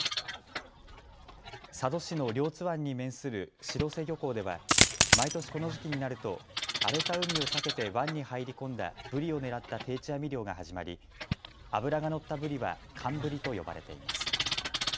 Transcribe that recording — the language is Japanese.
佐渡市の両津湾に面する白瀬漁港では毎年この時期になると荒れた海を避けて湾に入り込んだブリを狙った定置網漁が始まり脂がのったブリは寒ブリと呼ばれています。